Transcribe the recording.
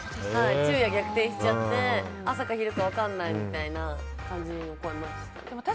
昼夜逆転しちゃって朝か、昼か分かんないみたいな感じの子はいました。